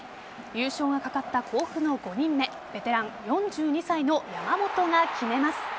優勝が懸かった甲府の５人目ベテラン４２歳の山本が決めます。